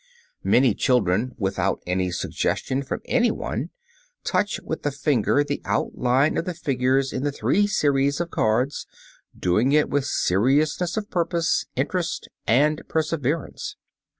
Many children, without any suggestion from any one, touch with the finger the outline of the figures in the three series of cards, doing it with seriousness of purpose, interest and perseverance.